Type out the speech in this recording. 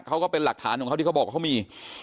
ก็เป็นหลักฐานของเขาที่เขาบอกเขามี